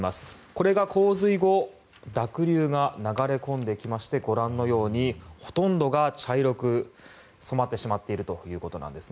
これが洪水後濁流が流れ込んできましてご覧のように、ほとんどが茶色く染まってしまっています。